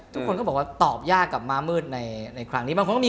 ทุกคนก็บอกว่าตอบยากกับมะมืดในครั้งนี้